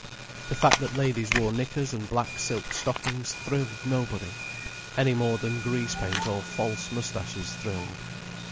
The fact that ladies wore knickers and black silk stockings thrilled nobody, any more than grease paint or false moustaches thrilled.